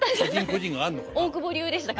大久保流でしたかね。